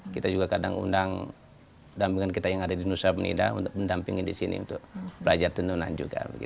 kita juga kadang undang dampingan kita yang ada di nusa penida untuk mendampingi di sini untuk belajar tenunan juga